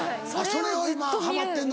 それを今ハマってんの。